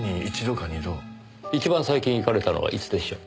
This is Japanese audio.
一番最近行かれたのはいつでしょう？